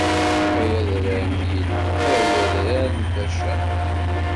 Ay adrar n Yillu, ay adrar n Bacan.